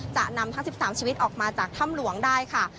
จะนำทั้ง๑๓ชีวิตออกมาจากถ้ำหลวงได้ค่ะ